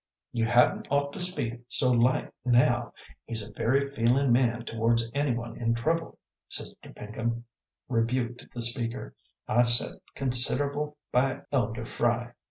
"You hadn't ought to speak so light now; he's a very feelin' man towards any one in trouble," Sister Pinkham rebuked the speaker. "I set consider'ble by Elder Fry.